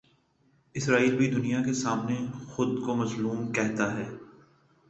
اسرائیل بھی دنیا کے سامنے خو دکو مظلوم کہتا ہے۔